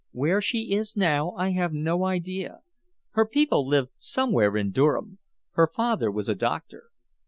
Where she is now I have no idea. Her people lived somewhere in Durham. Her father was a doctor."